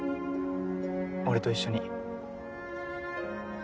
俺と一緒に。